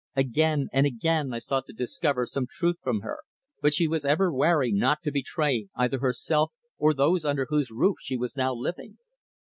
Again and again I sought to discover some truth from her, but she was ever wary not to betray either herself or those under whose roof she was now living.